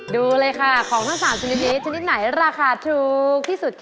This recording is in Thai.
ดูเลยค่ะของทั้ง๓ชนิดนี้ชนิดไหนราคาถูกที่สุดค่ะ